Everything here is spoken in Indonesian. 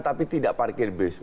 tapi tidak parkir bus